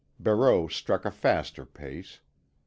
Barreau struck a faster pace.